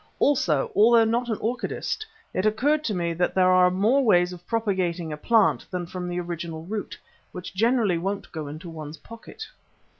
Also, although not an orchidist, it occurred to me that there are more ways of propagating a plant than from the original root, which generally won't go into one's pocket."